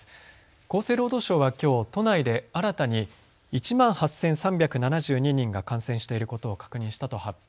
厚生労働省はきょう都内で新たに１万８３７２人が感染していることを確認したと発表。